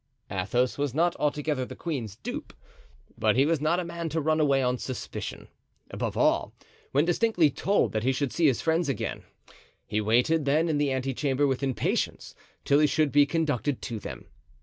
Athos was not altogether the queen's dupe, but he was not a man to run away on suspicion—above all, when distinctly told that he should see his friends again. He waited, then, in the ante chamber with impatience, till he should be conducted to them.